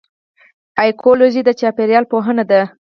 ایکیولوژي د چاپیریال پوهنه ده